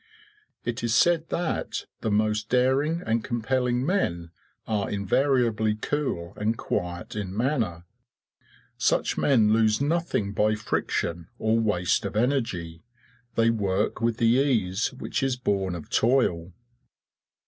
It is said that the most daring and compelling men are invariably cool and quiet in manner. Such men lose nothing by friction or waste of energy; they work with the ease which is born of toil.